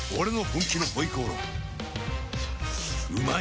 うまい！